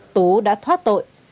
tú đã thoát tội